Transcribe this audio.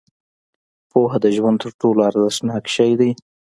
• پوهه د ژوند تر ټولو ارزښتناک شی دی.